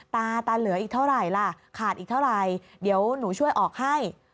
ตาตาเหลืออีกเท่าไหร่ล่ะขาดอีกเท่าไหร่เดี๋ยวหนูช่วยออกให้